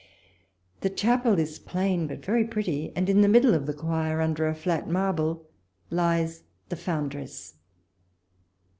The chapel is plain but very pretty, and in the middle of the choir under a flat marble lies the foundress.